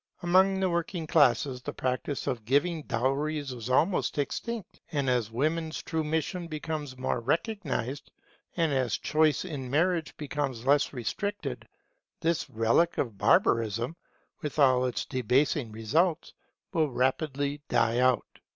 Among the working classes the practice of giving dowries is almost extinct; and as women's true mission becomes more recognized, and as choice in marriage becomes less restricted, this relic of barbarism, with all its debasing results, will rapidly die out.